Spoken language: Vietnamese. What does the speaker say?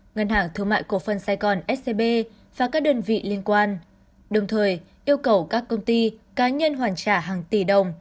ngân hàng thương mại cổ phân sài gòn scb và các đơn vị liên quan đồng thời yêu cầu các công ty cá nhân hoàn trả hàng tỷ đồng